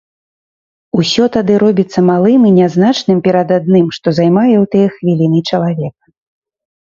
Усё тады робіцца малым і нязначным перад адным, што займае ў тыя хвіліны чалавека.